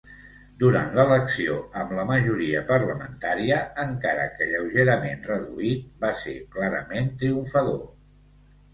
Durant l'elecció amb la majoria parlamentària, encara que lleugerament reduït, va ser clarament triomfador.